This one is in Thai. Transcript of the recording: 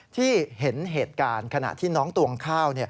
ที่เห็นเหตุการณ์ขณะที่น้องตวงข้าว